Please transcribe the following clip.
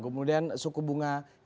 kemudian suku bunga deposit